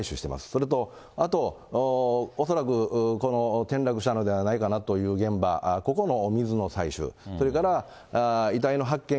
それと、あと、恐らくこの転落したのではないかなという現場、ここの水の採取、それから遺体の発見